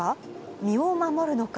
身を守るのか？